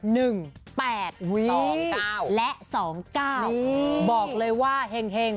หนึ่งแปดสองเจ้าและสองเก้านี่บอกเลยว่ากับเขิน